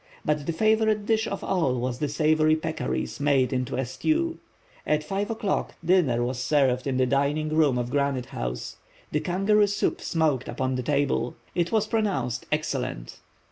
But the favorite dish of all was the savory peccaries made into a stew. At 5 o'clock, dinner was served in the dining room of Granite House. The kangaroo soup smoked upon the table. It was pronounced excellent.